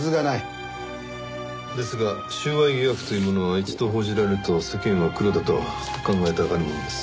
ですが収賄疑惑というものは一度報じられると世間はクロだと考えたがるものです。